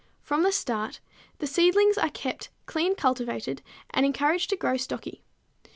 From the start the seedlings are kept clean cultivated and encouraged to grow stocky.